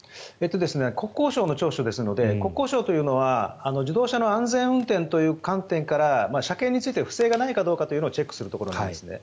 国交省の聴取ですので国交省というのは自動車の安全運転という観点から車検について不正がないかというのをチェックするところなんですね。